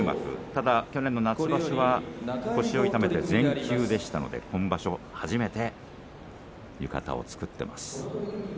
ただ去年の夏場所は腰を痛めて全休でしたので、今場所初めて浴衣を作っています。